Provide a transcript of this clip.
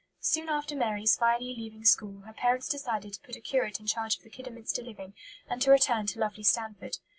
Soon after Mary's finally leaving school her parents decided to put a curate in charge of the Kidderminster living, and to return to "lovely Stanford."